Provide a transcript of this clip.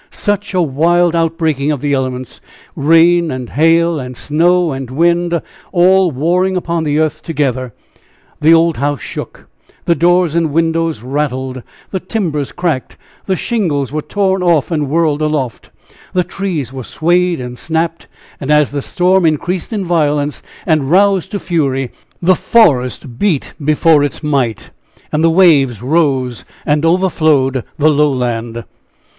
such a wild outbreaking of the elements! rain and hail, and snow and wind, all warring upon the earth together! The old house shook, the doors and windows rattled, the timbers cracked, the shingles were torn off and whirled aloft, the trees were swayed and snapped; and as the storm increased in violence and roused to fury, the forest beat before its might, and the waves rose and overflowed the low land.